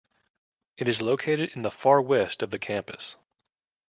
It is located in the far west of the campus.